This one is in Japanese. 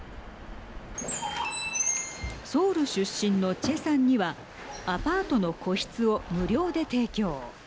ソウル出身のチェさんにはアパートの個室を無料で提供。